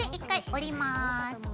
折ります。